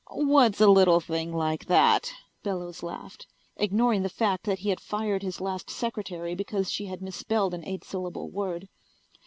"What's a little thing like that?" Bellows laughed, ignoring the fact that he had fired his last secretary because she had misspelled an eight syllable word.